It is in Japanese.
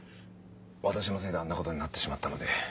私のせいであんなことになってしまったので。